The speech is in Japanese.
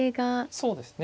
そうですか。